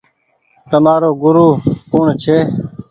تمآرو گورو ڪوڻ ڇي۔